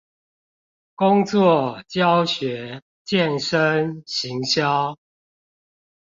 工作、教學、健身、行銷